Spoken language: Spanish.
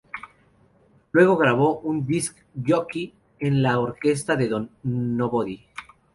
Luego grabó en Disc Jockey con la orquesta de Don Nobody.